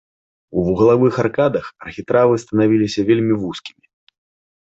У вуглавых аркадах архітравы станавіліся вельмі вузкімі.